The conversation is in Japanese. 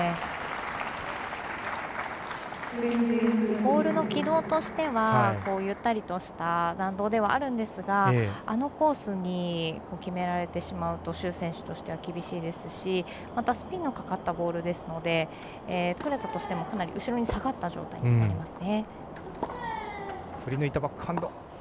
ボールの軌道としてはゆったりとした弾道ではあるんですがあのコースに決められてしまうと朱選手としては厳しいですしスピンのかかったボールですのでとれたとしても、かなり後ろに下がった状態になりますね。